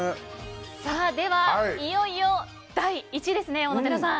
では、いよいよ第１位ですね。